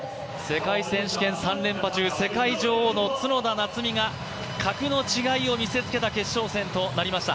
世界選手権３連覇中、世界女王の角田夏実が格の違いを見せつけた決勝戦となりました。